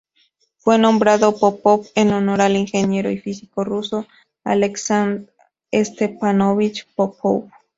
Fue nombrado Popov en honor al ingeniero y físico ruso Aleksandr Stepánovich Popov.